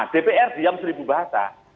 dpr diam seribu bahasa